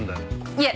いえ